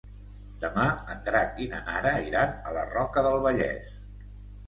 Demà en Drac i na Nara iran a la Roca del Vallès.